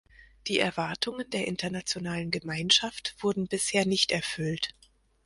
Die Erwartungen der internationalen Gemeinschaft wurden bisher nicht erfüllt.